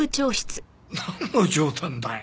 なんの冗談だね？